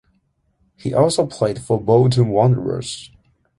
He also played for Bolton Wanderers.